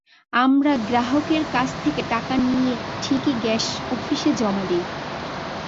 আমরা গ্রাহকের কাছ থেকে টাকা নিয়ে ঠিকই গ্যাস অফিসে জমা দিই।